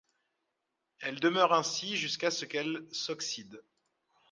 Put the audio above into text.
Elles demeurent ainsi jusqu'à ce qu'elles s'oxydent.